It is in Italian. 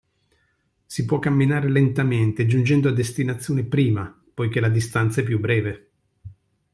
Si può camminare lentamente giungendo a destinazione prima, poiché la distanza è più breve.